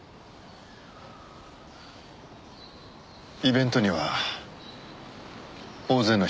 イベントには大勢の人が来る。